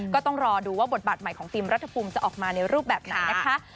ก็ต้องรอดูว่าบทบาทใหม่ของฟิล์มรัฐภูมิจะออกมาในรูปแบบไหนนะคะ